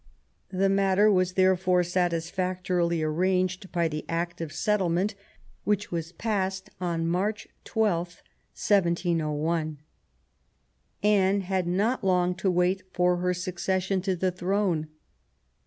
The matter was therefore satisfactorily arranged by the Act of Settlement which was passed on March 12, 1701. Anne had not long to wait for her succession to the throne.